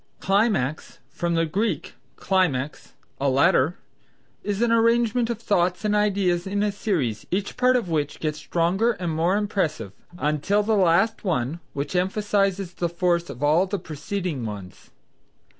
Climax (from the Greek, klimax, a ladder), is an arrangement of thoughts and ideas in a series, each part of which gets stronger and more impressive until the last one, which emphasizes the force of all the preceding ones.